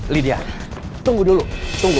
lydia tunggu dulu tunggu